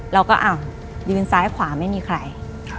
เราก็อ้าวยืนซ้ายขวาไม่มีใคร